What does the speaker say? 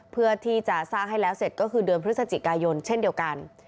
เพื่อที่จะสร้างให้แล้วเสร็จก็คือเดือนพฤศจิกายนเช่นเดียวกัน